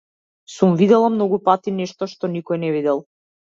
Сум видела многу пати нешто што никој не видел.